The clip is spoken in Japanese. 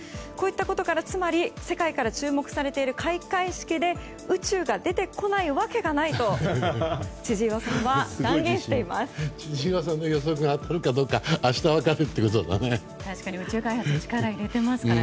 こういったことからつまり世界から注目されている開会式で宇宙が出てこないわけがないと千々岩さんは断言しています。